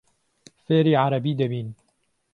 فێری عەرەبی دەبین.